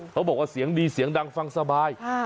เขาบอกว่าเสียงดีเสียงดังฟังสบาย